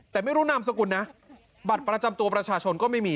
แต่ไม่รู้นามสกุลนะบัตรประจำตัวประชาชนก็ไม่มี